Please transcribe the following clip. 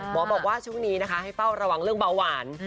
บอกว่าช่วงนี้นะคะให้เฝ้าระวังเรื่องเบาหวาน